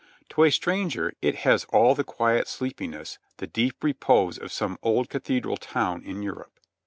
To a stranger it has all the quiet sleepiness, the deep repose of some old cathedral town in Europe.